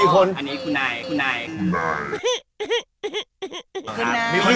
มีกันไงกินกันที